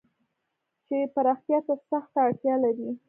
چې پراختيا ته سخته اړتيا لري.